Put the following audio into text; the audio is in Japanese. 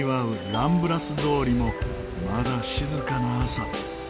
ランブラス通りもまだ静かな朝。